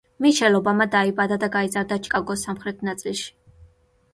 მიშელ ობამა დაიბადა და გაიზარდა ჩიკაგოს სამხრეთ ნაწილში.